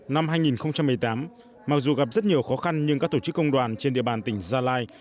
năm hai nghìn một mươi tám mặc dù gặp rất nhiều khó khăn nhưng các tổ chức công đoàn trên địa bàn tỉnh gia lai